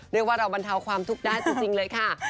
เรียกว่าเราบรรเทาความทุกข์ได้จริงเลยค่ะ